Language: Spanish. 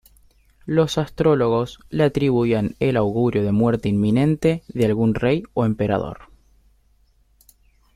Los astrólogos le atribuían el augurio de muerte inminente de algún rey o emperador.